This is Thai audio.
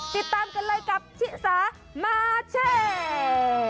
ติดตามกันเลยกับชิสามาแชร์